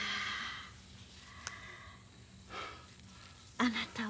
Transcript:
あなたは？